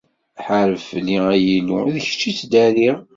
Ḥareb fell-i, ay Illu, d kečč i ttdariɣ.